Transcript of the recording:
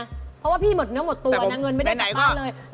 เพราะว่าพี่หมดเนื้อหมดตัวนะเงินไม่ได้กลับบ้านเลย